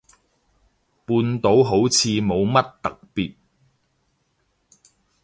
半島好似冇乜特別